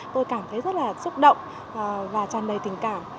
tôi cảm thấy rất là xúc động và tràn đầy tình cảm